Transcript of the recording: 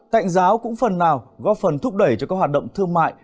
tạnh giáo cũng phần nào góp phần thúc đẩy cho các hoạt động thương mại